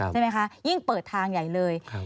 ใช่ไหมคะยิ่งเปิดทางใหญ่เลย